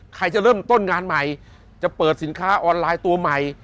ใครจะเริ่มต้นงานใหม่จะเปิดสินค้าออนไลน์ตัวใหม่